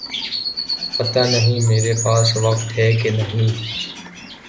پتا نہیں میرے پاس وقت ہے کہ نہیں